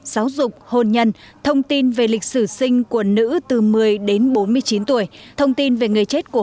giáo dục hôn nhân thông tin về lịch sử sinh của nữ từ một mươi đến bốn mươi chín tuổi thông tin về người chết của